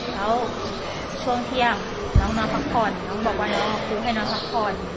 แล้วช่วงเที่ยงน้องมาพักผ่อนน้องบอกว่าน้องฟุ๊กให้นอนพักผ่อน